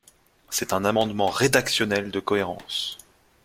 C’est un amendement rédactionnel de cohérence.